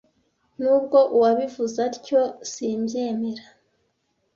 Nubwo uwabivuze atyo, simbyemera.